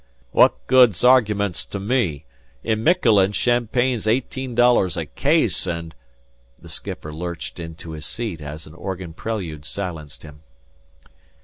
"What good is arguments to me? In Miquelon champagne's eighteen dollars a case and " The skipper lurched into his seat as an organ prelude silenced him.